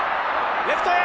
レフトへ。